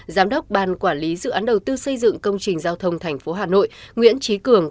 giám đốc ban quản lý dự án đầu tư xây dựng công trình giao thông tp hà nội nguyễn trí cường